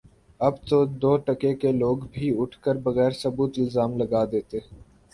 اب تو دو ٹکے کے لوگ بھی اٹھ کر بغیر ثبوت الزام لگا دیتے